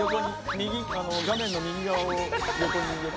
画面の右側を横に横に。